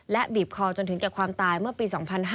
และบีบคอจนถึงแก่ความตายเมื่อปี๒๕๕๙